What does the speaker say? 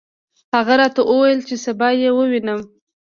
هغه راته وویل چې سبا یې ووینم.